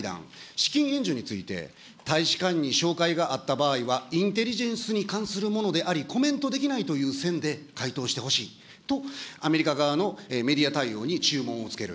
資金援助について大使館に照会があった場合はインテリジェンスに関するものであり、コメントできないという線で回答してほしいと、アメリカ側のメディア対応に注文をつける。